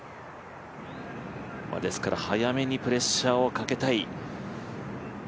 ですから早めにプレッシャーをかけたい。